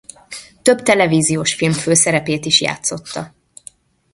Több televíziós film főszerepét is játszotta.